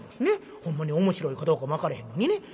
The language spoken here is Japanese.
ほんまに面白いかどうかも分からへんのにね。